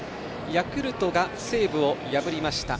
ヤクルトが西武を破りました。